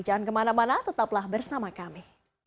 jangan kemana mana tetaplah bersama kami